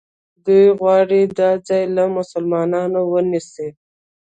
دوی غواړي دا ځای له مسلمانانو ونیسي.